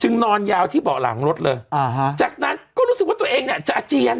นอนยาวที่เบาะหลังรถเลยอ่าฮะจากนั้นก็รู้สึกว่าตัวเองเนี่ยจะอาเจียน